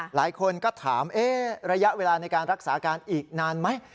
หลายคนก็ถามระยะเวลาในการรักษาการอีกนานไหม